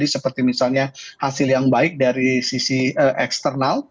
seperti misalnya hasil yang baik dari sisi eksternal